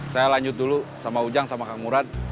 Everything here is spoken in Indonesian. saya lanjut dulu sama ujang sama kang murad